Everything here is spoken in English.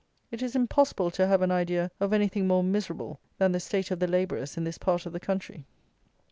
It is impossible to have an idea of anything more miserable than the state of the labourers in this part of the country.